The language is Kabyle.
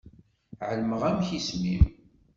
Ԑelmeɣ amek isem-im.